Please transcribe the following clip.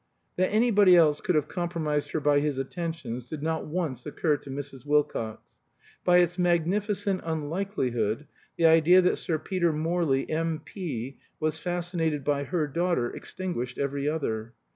That anybody else could have compromised her by his attentions did not once occur to Mrs. Wilcox. By its magnificent unlikelihood, the idea that Sir Peter Morley, M.P., was fascinated by her daughter extinguished every other.